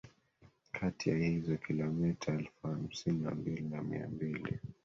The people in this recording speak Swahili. kati ya hizo kilometa elfu hamsini na mbili na mia mbili